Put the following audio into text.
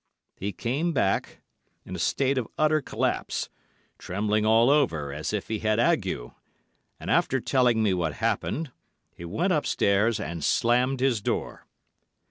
He came back in a state of utter collapse, trembling all over as if he had ague, and, after telling me what happened, he went upstairs and slammed his door.